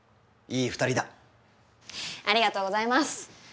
ありがとうございます。